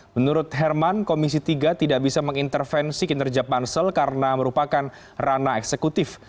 menurut herman komisi tiga tidak bisa mengintervensi kinerja pansel karena merupakan ranah eksekutif